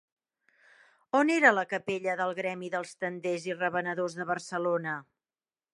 On era la capella del Gremi dels Tenders i Revenedors de Barcelona?